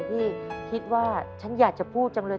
พี่คิดว่าฉันอยากจะพูดจังเลย